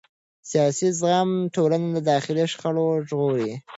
سیاسي زغم ټولنه له داخلي شخړو ژغوري